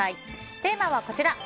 テーマはこちら。